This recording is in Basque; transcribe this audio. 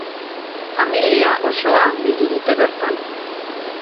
Familia osoa bildu dute bertan.